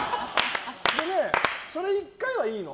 それ１回はいいの。